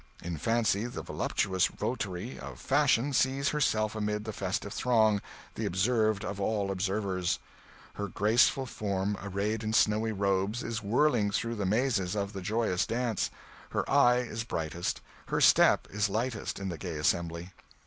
In fancy, the voluptuous votary of fashion sees herself amid the festive throng, 'the observed of all observers.' Her graceful form, arrayed in snowy robes, is whirling through the mazes of the joyous dance; her eye is brightest, her step is lightest in the gay assembly.